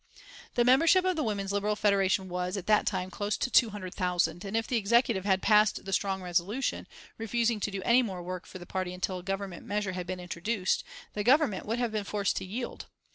The membership of the Women's Liberal Federation was, at that time, close to 200,000, and if the executive had passed the strong resolution, refusing to do any more work for the party until a Government measure had been introduced, the Government would have been forced to yield.